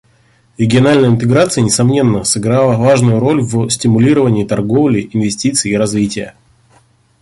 Региональная интеграция, несомненно, сыграла важную роль в стимулировании торговли, инвестиций и развития.